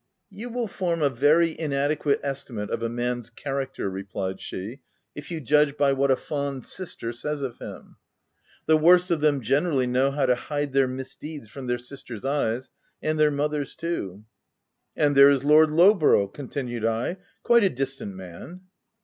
"" You will form a very inadequate estimate of a man's character,'* replied she, " if you judge by what a fond sister says of him. The worst of them generally know how to hide their misdeeds from their sister's eyes, and their mother's too." "And there is Lord Lowborough/' con tinued I, " quite a decent man."